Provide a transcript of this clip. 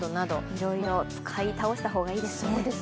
いろいろ使い倒した方がいいですね。